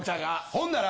ほんなら。